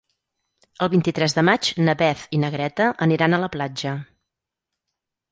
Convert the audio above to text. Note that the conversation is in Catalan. El vint-i-tres de maig na Beth i na Greta aniran a la platja.